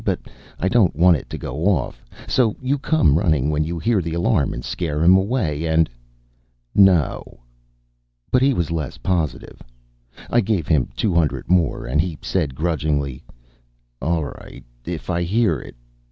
But I don't want it to go off. So you come running when you hear the alarm and scare him away and " "No!" But he was less positive. I gave him two hundred more and he said grudgingly: "All right. If I hear it.